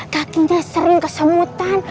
kakinya sering kesemutan